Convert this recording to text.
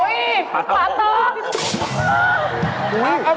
อุ๊ยปาต๊อบ